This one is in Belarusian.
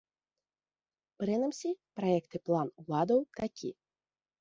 Прынамсі, праект і план уладаў такі.